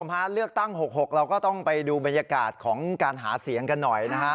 เลือกตั้ง๖๖เราก็ต้องไปดูบรรยากาศของการหาเสียงกันหน่อยนะฮะ